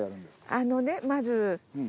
あのねまず。